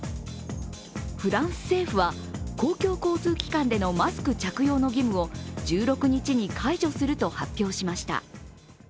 フランス政府は公共交通機関でのマスク着用の義務を１６日に解除すると発表しました。